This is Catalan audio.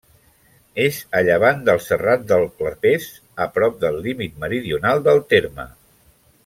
És a llevant del Serrat del Clapers, a prop del límit meridional del terme.